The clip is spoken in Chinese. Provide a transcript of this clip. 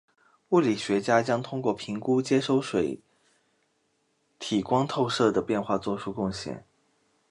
物理学家将通过评估接收水体光透射的变化做出贡献。